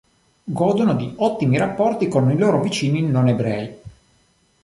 Godono di ottimi rapporti con i loro vicini non ebrei.